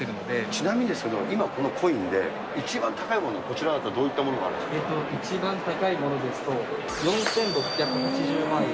ちなみにですけど、今、このコインで、一番高いもの、こちらだと、どういったものがあ一番高いものですと、４６８０万円。